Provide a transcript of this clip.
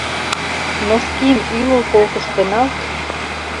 — Носким ӱлыл полкышто нал.